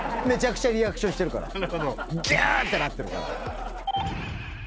めちゃくちゃリアクションしてるから。